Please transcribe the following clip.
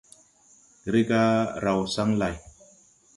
Rega raw saŋ lay.